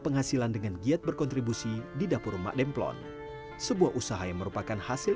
penghasilan dengan giat berkontribusi di dapur mak demplon sebuah usaha yang merupakan hasil